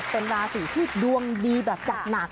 เป็นราศีที่ดวงดีแบบจัดหนัก